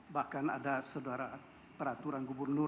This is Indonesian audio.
bahkan ada saudara peraturan gubernur